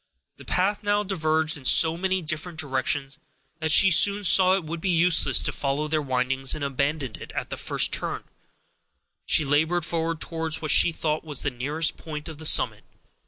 The path now diverged in so many different directions, that she soon saw it would be useless to follow their windings, and abandoning it, at the first turn, she labored forward towards what she thought was the nearest point of the summit.